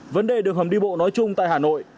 vấn đề đường hầm đi bộ nói chung tại hà nội